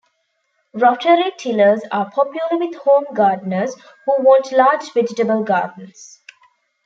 Rotary tillers are popular with home gardeners who want large vegetable gardens.